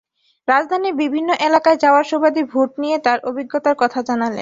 রাজধানীর বিভিন্ন এলাকায় যাওয়ার সুবাদে ভোট নিয়ে তাঁর অভিজ্ঞতার কথা জানালেন।